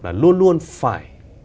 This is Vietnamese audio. là luôn luôn phải